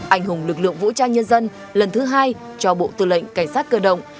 anh hùng lực lượng vũ trang nhân dân lần thứ hai cho bộ tư lệnh cảnh sát cơ động